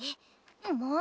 もう！